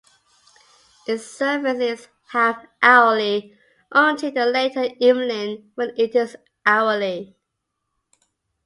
Its service is half-hourly until the later evening when it is hourly.